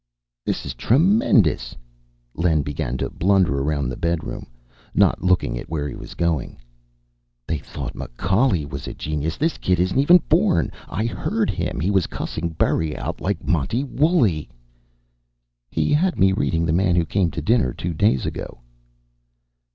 "This is tremendous!" Len began to blunder around the bed room, not looking where he was going. "They thought Macaulay was a genius. This kid isn't even born. I heard him. He was cussing Berry out like Monty Woolley." "He had me reading The Man Who Came to Dinner two days ago."